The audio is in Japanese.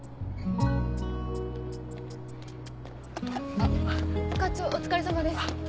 あっ課長お疲れさまです。